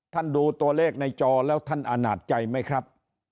ดูตัวเลขในจอแล้วท่านอาณาจใจไหมครับ